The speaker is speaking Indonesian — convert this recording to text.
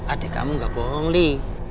adek kamu gak bohong li